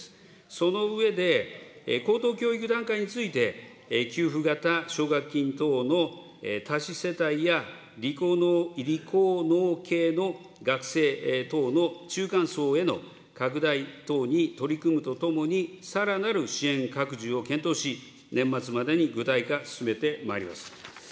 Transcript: その上で、高等教育段階について、給付型奨学金等の多子世帯や理工農系の学生等の中間層への拡大等に取り組むとともに、さらなる支援の拡充を検討し、年末までに具体化進めてまいります。